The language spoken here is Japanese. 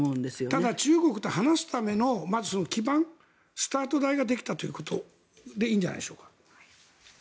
ただ中国と話すための基盤スタート台ができたということでいいんじゃないでしょうか。